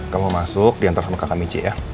kamu masuk diamkan sama kakak michi ya